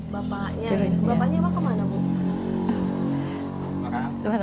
bapaknya bapaknya pak kemana bu